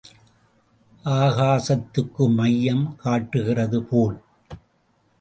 ஆகாசத்தக்கு மையம் காட்டுகிறது போல்.